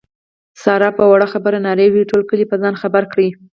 ساره په وړه خبره نارې وهي ټول کلی په ځان خبر کړي.